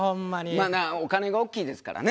まあお金が大きいですからね。